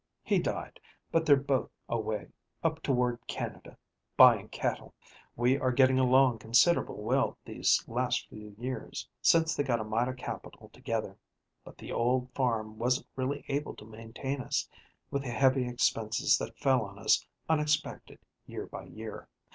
He died; but they're both away, up toward Canada, buying cattle. We are getting along considerable well these last few years, since they got a mite o' capital together; but the old farm wasn't really able to maintain us, with the heavy expenses that fell on us unexpected year by year.